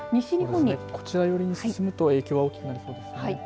こちら寄りに進むと影響が大きくなりそうですね。